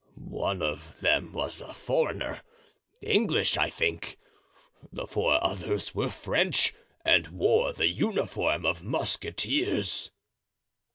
"One of them was a foreigner, English, I think. The four others were French and wore the uniform of musketeers."